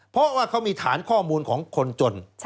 เพราะว่าเขามีฐานข้อมูลของคนจน